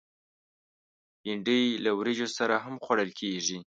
بېنډۍ له وریژو سره هم خوړل کېږي